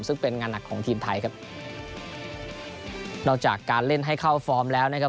ซึ่งเป็นงานหนักของทีมไทยครับนอกจากการเล่นให้เข้าฟอร์มแล้วนะครับ